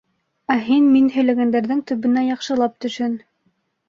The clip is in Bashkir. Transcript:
Ә һин мин һөйләгәндәрҙең төбөнә яҡшылап төшөн.